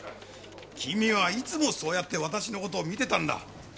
君はいつもそうやって私の事を見てたんだ。